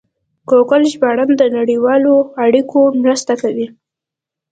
ګوګل ژباړن د نړیوالو اړیکو مرسته کوي.